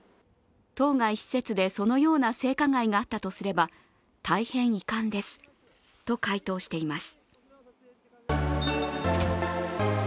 当該施設でそのような性加害があったとすれば大変遺憾ですと回答しています。